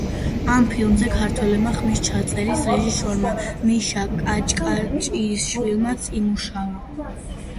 ამ ფილმზე ქართველმა ხმის ჩაწერის რეჟისორმა მიშა კაჭკაჭიშვილმაც იმუშავა.